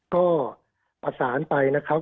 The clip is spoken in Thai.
ก็ประสานไปนะครับ